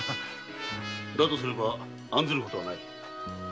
だとすれば案ずることはない。